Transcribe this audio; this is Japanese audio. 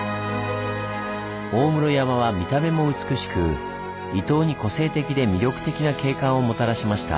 大室山は見た目も美しく伊東に個性的で魅力的な景観をもたらしました。